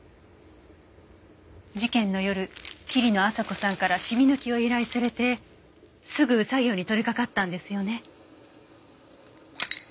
事件の夜桐野朝子さんからシミ抜きを依頼されてすぐ作業に取り掛かったんですよね？